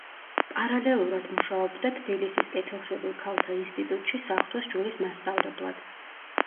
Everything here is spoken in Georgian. პარალელურად მუშაობდა თბილისის კეთილშობილ ქალთა ინსტიტუტში საღვთო სჯულის მასწავლებლად.